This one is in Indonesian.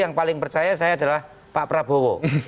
yang paling percaya saya adalah pak prabowo